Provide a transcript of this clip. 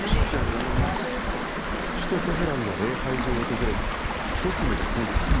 首都テヘランの礼拝所を訪れる１組の夫婦。